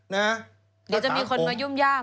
เดี๋ยวจะมีคนมายุ่มย่าม